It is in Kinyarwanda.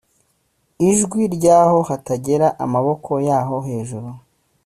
ijwi ryaho Hategera amaboko yaho hejuru